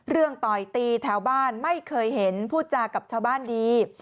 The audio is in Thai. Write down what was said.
ต่อยตีแถวบ้านไม่เคยเห็นพูดจากับชาวบ้านดี